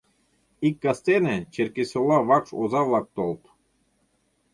Ик кастене Черкесола вакш оза-влак толыт.